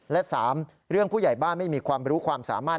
และ๓เรื่องผู้ใหญ่บ้านไม่มีความรู้ความสามารถ